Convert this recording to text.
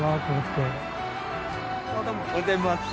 おはようございます。